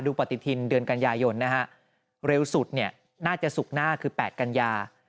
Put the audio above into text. ปฏิทินเดือนกันยายนนะฮะเร็วสุดเนี่ยน่าจะศุกร์หน้าคือ๘กันยา